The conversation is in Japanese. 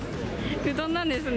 うどんなんですね。